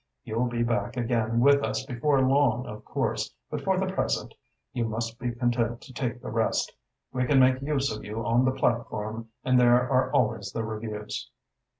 You'll be back again with us before long, of course, but for the present you must be content to take a rest. We can make use of you on the platform and there are always the reviews."